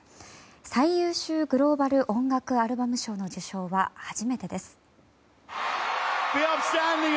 最優秀グローバル音楽アルバム賞の受賞は初めてです。